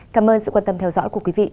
cảm ơn sự quan tâm theo dõi của quý vị